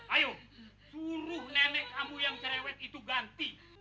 ayo suruh nenek kamu yang cerewet itu ganti